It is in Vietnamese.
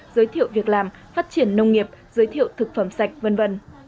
giới thiệu việc làm phát triển nông nghiệp giới thiệu thực phẩm sạch v v